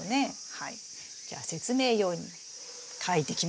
はい。